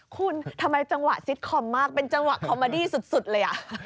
คุณทำไมจังหวะซิตคอมมากเป็นจังหวะคอมมาดี้สุดเลย